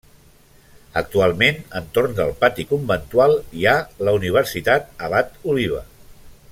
Actualment, entorn del pati conventual, hi ha la Universitat Abat Oliva.